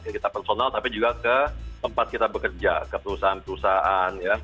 ya kita personal tapi juga ke tempat kita bekerja ke perusahaan perusahaan